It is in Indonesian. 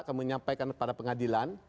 kami menyampaikan kepada pengadilan